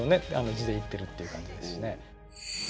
地でいってるっていう感じですしね。